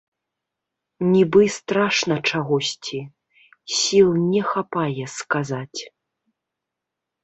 Нібы страшна чагосьці, сіл не хапае сказаць.